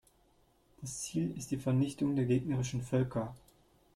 Das Ziel ist die Vernichtung der gegnerischen Völker.